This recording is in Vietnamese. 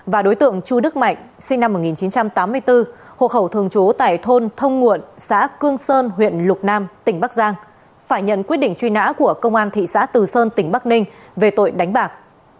và đối tượng chu đức mạnh sinh năm một nghìn chín trăm tám mươi bốn hộ khẩu thường trú tại thôn thông nguộn xã cương sơn huyện lục nam tỉnh bắc giang phải nhận quyết định truy nã của công an thị xã từ sơn tỉnh bắc ninh về tội đánh bạc